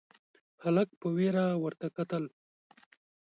هلک په وېره ورته کتل: